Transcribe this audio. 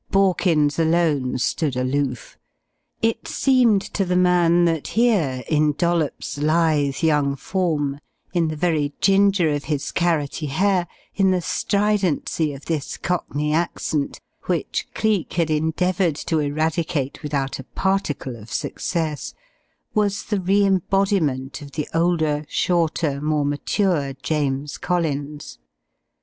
Borkins alone stood aloof. It seemed to the man that here, in Dollops' lithe, young form, in the very ginger of his carrotty hair, in the stridency of this cockney accent which Cleek had endeavoured to eradicate without a particle of success was the reembodiment of the older, shorter, more mature James Collins.